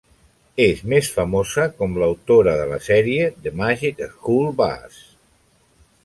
És més famosa com l'autora de la sèrie "The Magic School Bus".